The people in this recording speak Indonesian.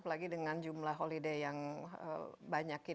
apalagi dengan jumlah holiday yang banyak